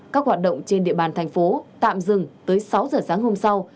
các hoạt động trên địa bàn thành phố tạm dừng tới sáu giờ sáng hôm sau